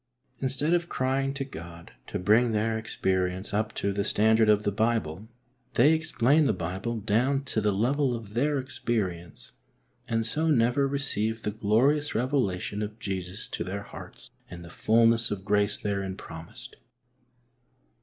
Instead of crying to God to bring their experience up to the standard of the Bible, they explain the Bible down to the level of their experience, and so never receive the glorious revelation of Jesus to their hearts and the fulness of grace therein promised.